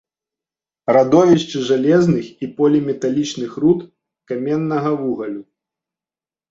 Радовішчы жалезных і поліметалічных руд, каменнага вугалю.